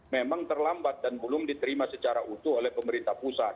memang terlambat dan belum diterima secara utuh oleh pemerintah pusat